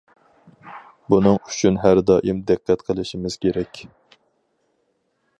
بۇنىڭ ئۈچۈن ھەر دائىم دىققەت قىلىشىمىز كېرەك.